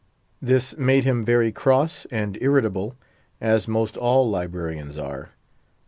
This made him very cross and irritable, as most all librarians are.